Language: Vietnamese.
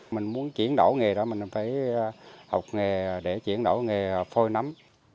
mình muốn chuyển đổi nghề đó mình phải học nghề để chuyển đổi nghề phôi nắm